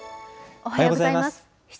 おはようございます。